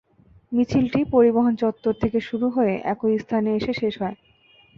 মিছিলটি পরিবহন চত্বর থেকে শুরু হয়ে একই স্থানে এসে শেষ হয়।